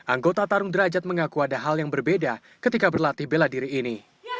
anggota tarung derajat mengaku ada hal yang berbeda ketika berlatih bela diri ini